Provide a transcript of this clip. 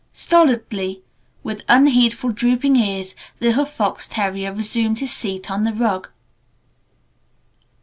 Stolidly with unheedful, drooping ears the little fox terrier resumed his seat on the rug.